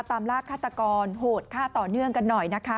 ตามลากฆาตกรโหดฆ่าต่อเนื่องกันหน่อยนะคะ